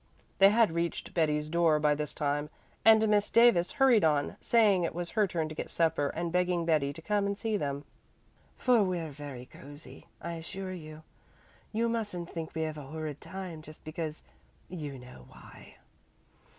They had reached Betty's door by this time, and Miss Davis hurried on, saying it was her turn to get supper and begging Betty to come and see them. "For we're very cozy, I assure you. You mustn't think we have a horrid time just because you know why."